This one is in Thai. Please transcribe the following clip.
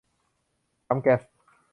ปั๊มแก๊ส